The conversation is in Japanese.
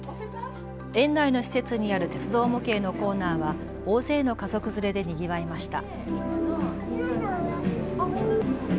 園内の施設にある鉄道模型のコーナーは大勢の家族連れでにぎわいました。